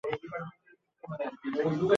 গোরা জিজ্ঞাসা করিল, স্বভাবটা?